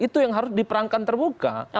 itu yang harus diperankan terbuka